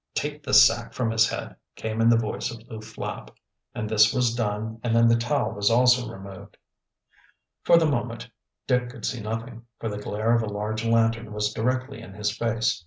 "Take the sack from his head," came in the voice of Lew Flapp, and this was done and then the towel was also removed. For the moment Dick could see nothing, for the glare of a large lantern was directly in his face.